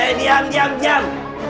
hei diam diam diam